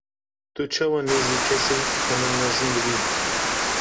Tu çawa nêzî kesên temenmezin dibî?